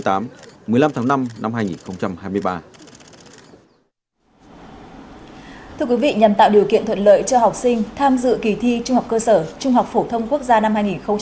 thưa quý vị nhằm tạo điều kiện thuận lợi cho học sinh tham dự kỳ thi trung học cơ sở trung học phổ thông quốc gia năm hai nghìn một mươi chín